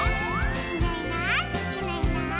「いないいないいないいない」